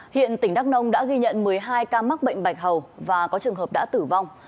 hiện tỉnh đắk nông đã ghi nhận một mươi hai ca mắc bệnh bạch hầu và có trường hợp đã tử vong